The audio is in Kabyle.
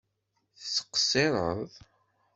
Tettqeṣṣireḍ?